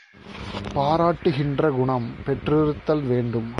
பாராட்டுகின்ற குணம் பெற்றிருத்தல் வேண்டும்.